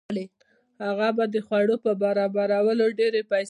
هغه به د خوړو په برابرولو ډېرې پیسې لګولې.